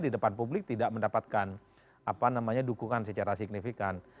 di depan publik tidak mendapatkan dukungan secara signifikan